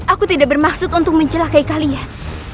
aku tidak bermaksud untuk mencelakai kalian